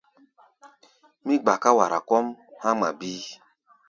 Mí gbaká wara kɔ́ʼm há̧ ŋma bíí.